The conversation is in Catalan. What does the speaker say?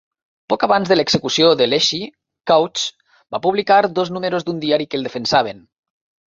Poc abans de l'execució de Leschi, Kautz va publicar dos números d'un diari que el defensaven.